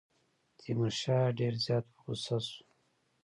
تیمورشاه ډېر زیات په غوسه شو.